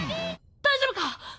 「大丈夫か？」